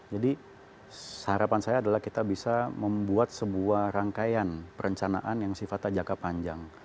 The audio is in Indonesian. jadi harapan saya adalah kita bisa membuat sebuah rangkaian perencanaan yang sifat tajaka panjang